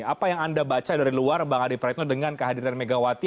apa yang anda baca dari luar bang adi praetno dengan kehadiran megawati